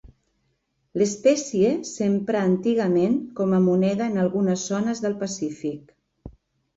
L'espècie s'emprà antigament com a moneda en algunes zones del Pacífic.